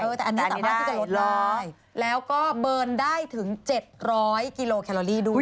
แต่อันนี้สามารถที่จะลดแล้วก็เบิร์นได้ถึง๗๐๐กิโลแคลอรี่ด้วย